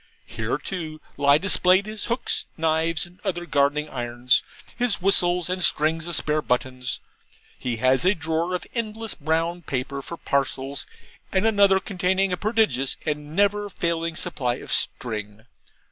Here, too, lie displayed his hooks, knives, and other gardening irons, his whistles, and strings of spare buttons. He has a drawer of endless brown paper for parcels, and another containing a prodigious and never failing supply of string.